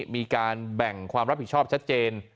มีการแบ่งความรับผิดชอบชัดเจน